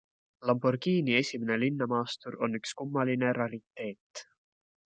Lamborghini esimene linnamaastur on üks kummaline rariteet.